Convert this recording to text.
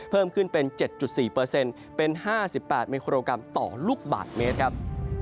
เพิ่มขึ้นเป็น๗๔เป็น๕๘มิโครกรัมต่อลูกบาทเมตรครับ